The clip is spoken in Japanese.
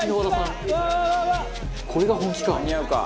「これが本気か！」